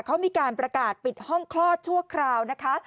เขามีการประกาศปิดห้องคลอดชั่วคราวนะคะ